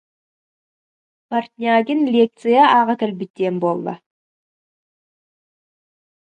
Портнягин лекция ааҕа кэлбит диэн буолла